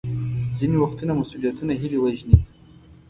ځینې وختونه مسوولیتونه هیلې وژني.